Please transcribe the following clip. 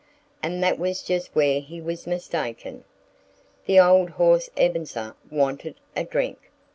And that was just where he was mistaken. The old horse Ebenezer wanted a drink.